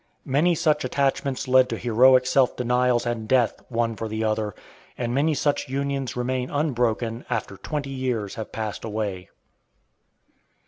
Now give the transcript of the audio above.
Many such attachments led to heroic self denials and death, one for the other, and many such unions remain unbroken after twenty years have passed away.